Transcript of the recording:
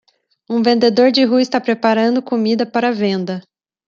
Um vendedor de rua está preparando comida para venda.